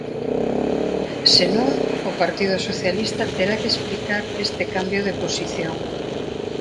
Se non, o Partido Socialista terá que explicar este cambio de posición.